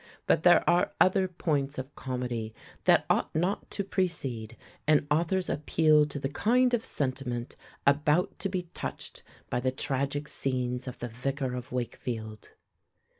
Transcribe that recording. But there are other points of comedy that ought not to precede an author's appeal to the kind of sentiment about to be touched by the tragic scenes of The Vicar of Wakefield.